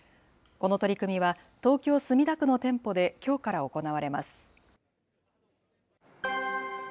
この取り組みは、東京・墨田区の店舗できょうから行われます。